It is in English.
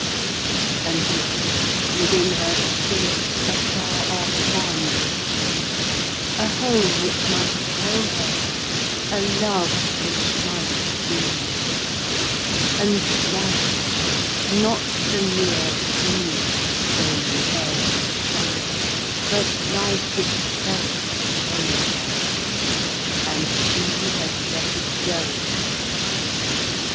XI. And yet, within her spirit A far off land was seen; A home, which might have held her; A love, which might have been; And Life: not the mere being Of daily ebb and flow, But Life itself had claim'd her, And she had let it go!